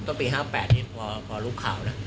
ต้นปี๕๘พอลูกข่าวนะ